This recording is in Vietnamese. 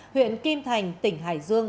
huyện kim thành tỉnh hải dương